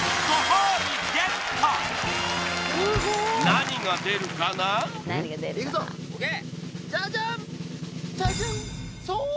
何が出るかないくぞＯＫ